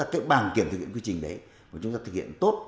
cái bảng kiểm thực hiện quy trình đấy của chúng ta thực hiện tốt